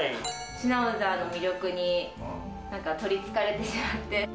シュナウザーの魅力に取りつかれてしまって。